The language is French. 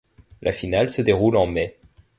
La finale se déroule en mai.